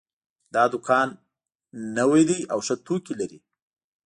دا دوکان نوی ده او ښه توکي لري